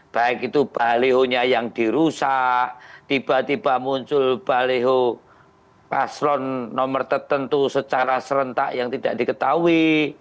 baik itu balihonya yang dirusak tiba tiba muncul baliho paslon nomor tertentu secara serentak yang tidak diketahui